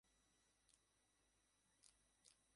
আমরা আজ রাতে এখান থেকে পালাবো।